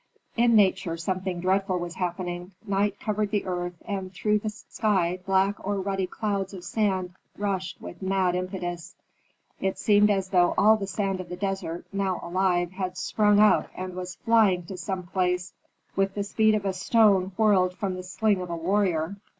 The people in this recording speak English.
In nature something dreadful was happening. Night covered the earth, and through the sky black or ruddy clouds of sand rushed with mad impetus. It seemed as though all the sand of the desert, now alive, had sprung up and was flying to some place with the speed of a stone whirled from the sling of a warrior.